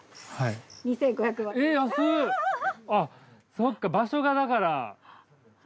そっか場所がだから。